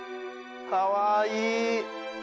かわいい。